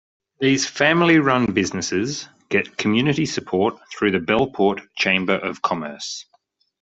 These family run businesses get community support through the Bellport Chamber of Commerce.